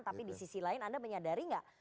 tapi di sisi lain anda menyadari nggak